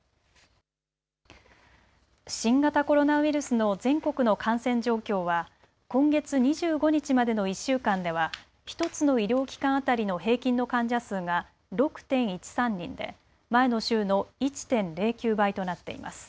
新型コロナウイルスの全国の感染状況は今月２５日までの１週間では１つの医療機関当たりの平均の患者数が６．１３人で前の週の１．０９倍となっています。